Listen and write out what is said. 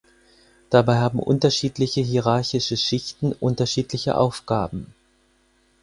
Dabei haben unterschiedliche hierarchische Schichten unterschiedliche Aufgaben.